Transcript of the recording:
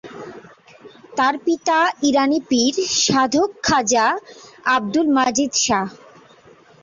তার পিতা ইরানী পীর, সাধক খাজা আব্দুল মজিদ শাহ।